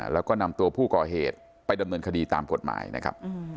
แล้วก็นำตัวผู้ก่อเหตุไปดำเนินคดีตามกฎหมายนะครับ